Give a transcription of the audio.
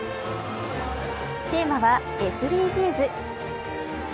テーマはＳＤＧｓ。